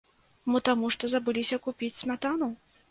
Мо таму што забыліся купіць смятану!?